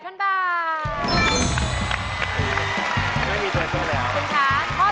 เยี่ยมดูร้ายสัวนเตวนแล้ว